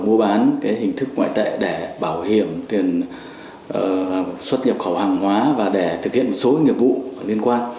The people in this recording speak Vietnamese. mua bán cái hình thức ngoại tệ để bảo hiểm tiền xuất nhập khẩu hàng hóa và để thực hiện một số nghiệp vụ liên quan